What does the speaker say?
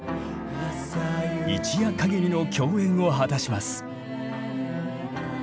一夜限りの共演を果たします。